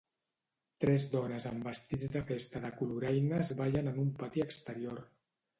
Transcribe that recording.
Tres dones amb vestits de festa de coloraines ballen en un pati exterior.